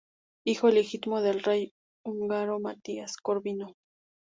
Hijo ilegítimo del rey húngaro Matías Corvino.